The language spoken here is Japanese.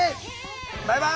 バイバイ！